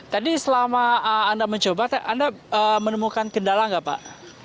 tadi selama anda mencoba anda menemukan kendala nggak pak